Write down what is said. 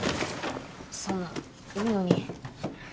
そんないいのに。